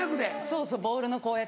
そうそうボールのこう。